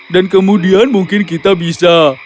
dan kemudian mungkin kita bisa